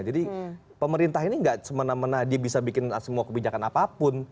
jadi pemerintah ini gak semena mena dia bisa bikin semua kebijakan apapun